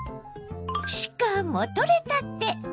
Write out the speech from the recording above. しかもとれたて。